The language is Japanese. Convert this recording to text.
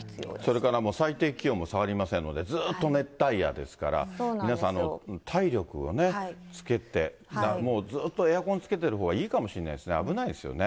それからもう、最低気温も下がりませんので、ずーっと熱帯夜ですから、皆さん、体力をつけて、もうずっとエアコンつけてるほうがいいかもしれないですね、危ないですよね。